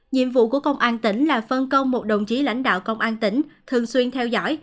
nhiệm vụ của công an tỉnh là phân công một đồng chí lãnh đạo công an tỉnh thường xuyên theo dõi